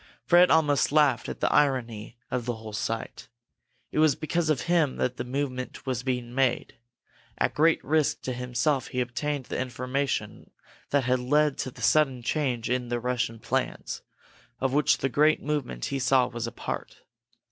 Fred almost laughed at the irony of the whole sight. It was because of him that this movement was being made. At great risk to himself he had obtained the information that had led to the sudden change in the Russian plans, of which the great movement he saw was a part.